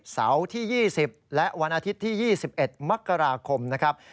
เสาร์ที่๒๐และวันอาทิตย์ที่๒๑มกราคมนะครับ